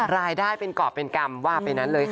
รายได้เป็นกรอบเป็นกรรมว่าไปนั้นเลยค่ะ